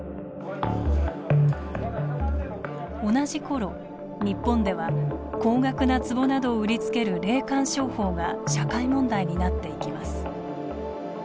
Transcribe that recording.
同じころ、日本では高額なつぼなどを売りつける霊感商法が社会問題になっていきます。